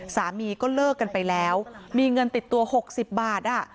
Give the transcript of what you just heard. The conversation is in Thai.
สามีก็เลิกกันไปแล้วมีเงินติดตัว๖๐บาท